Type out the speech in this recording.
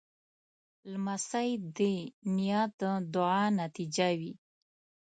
لمسی د نیا د دعا نتیجه وي.